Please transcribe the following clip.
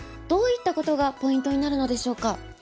どういったことがポイントになるのでしょうか。